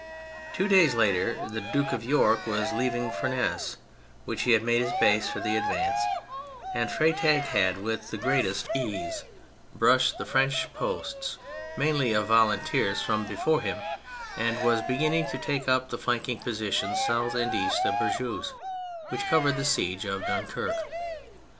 Two days later, the Duke of York was leaving Furnes, which he had made his base for the advance, and Freytag had with the greatest I THE MILITARY ASPECT 191 ease brushed the French posts — mainly of volunteers — from before him, and was begin ning to take up the flanking positions south and east of Bergues which covered the siege of Dunquerque.